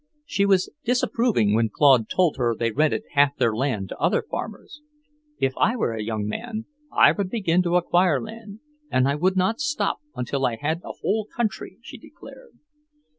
She was disapproving when Claude told her they rented half their land to other farmers. "If I were a young man, I would begin to acquire land, and I would not stop until I had a whole county," she declared.